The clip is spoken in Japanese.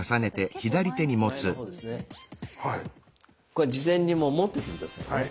これ事前にもう持っててくださいね。